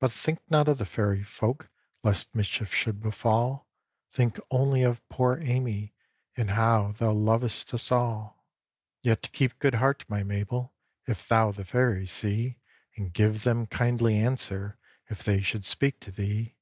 "But think not of the Fairy folk, Lest mischief should befall; Think only of poor Amy, And how thou lov'st us all. "Yet keep good heart, my Mabel, If thou the Fairies see, And give them kindly answer If they should speak to thee.